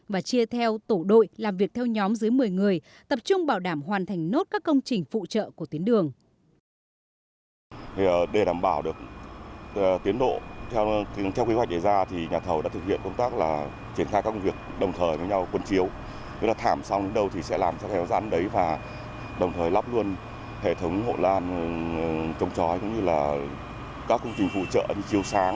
và chia theo tổ đội làm việc theo nhóm dưới một mươi người tập trung bảo đảm hoàn thành nốt các công trình phụ trợ của tiến đường